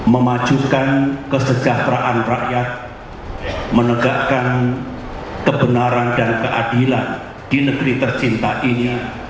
memajukan kesejahteraan rakyat menegakkan kebenaran dan keadilan di negeri tercinta ini